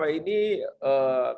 kerjaan di lapangannya berentakan